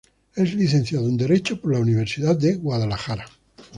Es licenciada en Derecho por la Universidad de Guadalajara.